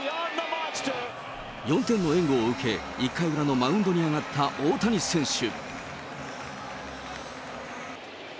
４点の援護を受け、１回裏のマウンドに上がった大谷選手。